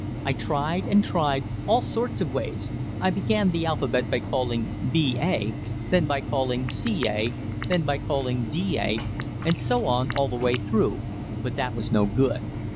I tried and tried, all sorts of ways I began the alphabet by calling 'b' 'a'; then by calling 'c' 'a'; then by calling 'd' 'a,' and so on all the way through, but that was no good.